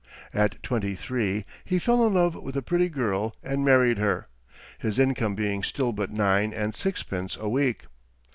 At twenty three he fell in love with a pretty girl, and married her, his income being still but nine and sixpence a week.